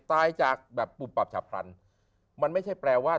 ตายจากปุบปับฉพรรณมันไม่ใช่แปลว่า